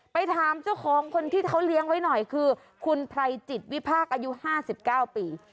ไปถามเจ้าของคนที่เขาเลี้ยงไว้หน่อยคือคุณไพรจิตวิพากษ์อายุ๕๙ปี